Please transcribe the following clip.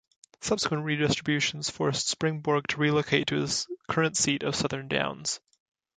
Subsequent redistributions forced Springborg to relocate to his current seat of Southern Downs.